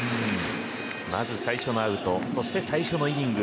まず、最初のアウトそして最初のイニング